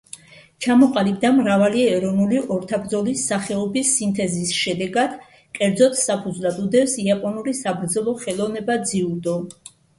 ჩამოყალიბდა მრავალი ეროვნული ორთაბრძოლის სახეობის სინთეზის შედეგად, კერძოდ საფუძვლად უდევს იაპონური საბრძოლო ხელოვნება ძიუდო.